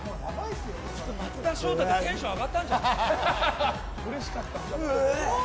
松田翔太でテンション上がったんじゃない？